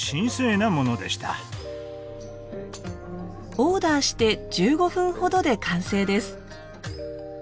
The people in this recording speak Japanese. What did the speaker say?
オーダーして１５分ほどで完成です。